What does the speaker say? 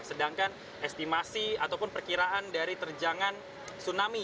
sedangkan estimasi ataupun perkiraan dari terjangan tsunami